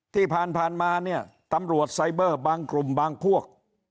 ที่ผ่านมาเนี่ยตำรวจไซเบอร์บางกลุ่มบางพวก